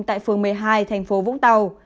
tại phường một mươi hai tp vũng tàu